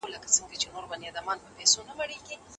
آیا لرغوني ښارونه تر نویو ښارونو زیات سیلانیان لري؟